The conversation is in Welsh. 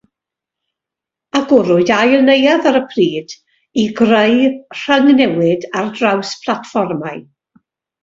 Agorwyd ail neuadd ar y pryd i greu rhyng-newid ar draws platfformau.